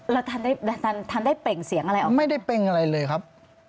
แล้วท่านได้เป่งเสียงอะไรออกไหมครับไม่ได้เป่งอะไรเลยครับ